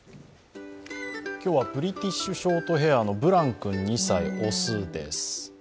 今日はブリティッシュショートヘアのブラン君２歳、雄です。